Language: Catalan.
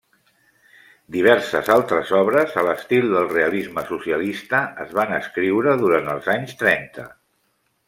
Diverses altres obres a l'estil del realisme socialista es van escriure durant els anys trenta.